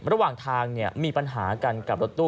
ระหว่างทางมีปัญหากันกับรถตู้